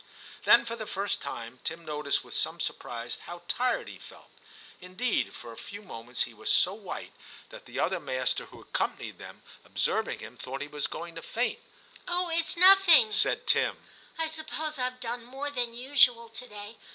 Then for the first time Tim noticed with some surprise how tired he felt ; indeed for a few moments he was so white that the other VII TIM 155 master who accompanied them, observing him, thought he was going to faint. * Oh, it's nothing,* said Tim ;* I suppose Tve done more than usual to day.